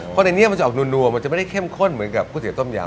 เพราะในนี้มันจะออกนัวมันจะไม่ได้เข้มข้นเหมือนกับก๋วเตี๋ต้มยำ